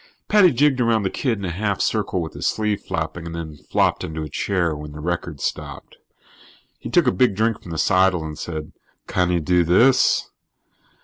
Paddy jigged around the kid in a half circle with his sleeve flapping and then flopped into a chair when the record stopped. He took a big drink from the seidel and said: "Can he do this?"